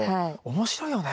面白いよね。